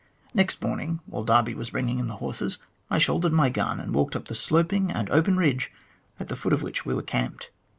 Next morning, while Darby was bringing in the horses, I shouldered my gun, and walked up the sloping and open ridge at the foot of which we were camped.